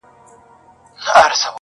o خداى نه چي زه خواست كوم نو دغـــه وي.